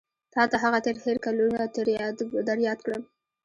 تا ته هغه تېر هېر کلونه در یاد کړم.